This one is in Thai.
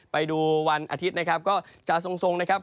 ไปดูวันอาทิตย์นะครับก็จะทรงนะครับ